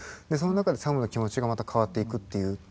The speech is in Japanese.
その中でサムの気持ちがまた変わっていくっていう。